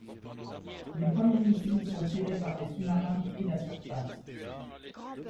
Les premiers missiles sont tirés par les sous-marins depuis la surface.